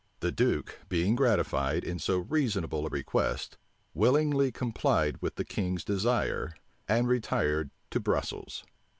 The duke, being gratified in so reasonable a request, willingly complied with the king's desire, and retired to Brussels.